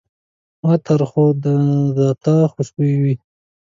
عطر خو ذاتاً خوشبویه وي.